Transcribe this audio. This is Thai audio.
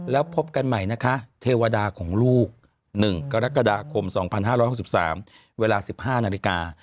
แล้วพบกันใหม่นะคะเทวดาของลูก๑กรกฎาคม๒๕๖๓เวลา๑๕นาฬิกา